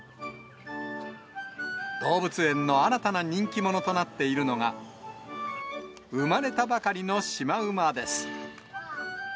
動物園の新たな人気者となっているのが、生まれたばかりのシマウマです。